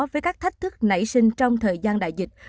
với các thách thức nảy sinh trong thời gian đại dịch